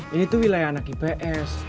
ini tuh wilayah anak ips